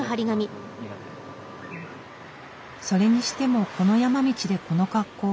それにしてもこの山道でこの格好。